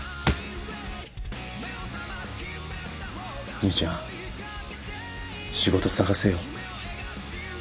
兄ちゃん仕事探せよ。